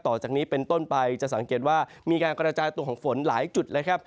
จากนี้เป็นต้นไปจะสังเกตว่ามีการกระจายตัวของฝนหลายจุดเลยครับ